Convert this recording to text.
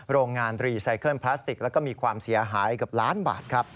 โรงงานรีไซเคิลปลาสติกและก็มีความเสียหายกับล้านบาท